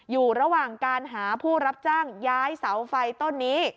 อยู่ระหว่างการหาผู้รับจ้างย้ายเสาไฟต้นนี้